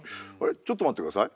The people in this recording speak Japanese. ちょっと待って下さい。